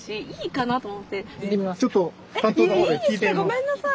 ごめんなさい！